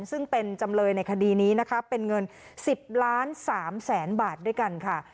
ซึ่งเป็นจำเลยในคดีนี้นะคะเป็นเงิน๑๐ล้าน๓แสนบาทด้วยกันค่ะ